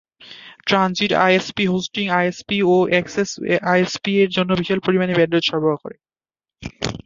Transit ISP hosting ISP ও access ISP জন্য বিশাল পরিমানে ব্যান্ডউইথ সরবরাহ করে।